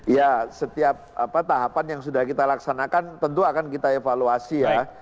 ya setiap tahapan yang sudah kita laksanakan tentu akan kita evaluasi ya